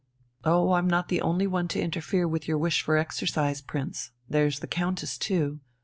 "Oh, I'm not the only one to interfere with your wish for exercise, Prince. There's the Countess too.